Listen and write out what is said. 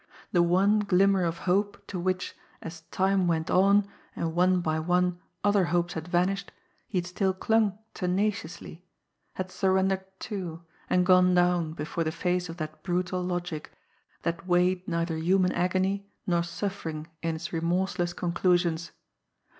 The one glimmer of hope to which, as time went on and one by one other hopes had vanished, he had still clung tenaciously, had surrendered, too, and gone down before the face of that brutal logic that weighed neither human agony nor suffering in its remorseless conclusions.